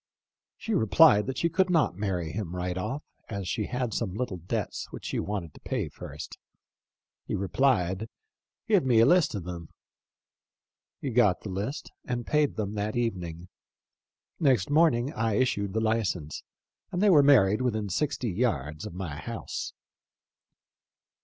She replied that she could not marry him right off, as she had some little debts which she wanted to pay first. He replied, 'Give me a list of them.' He got the list and paid them that even ing. Next morning I issued the license, and they were married within sixty yards of my house."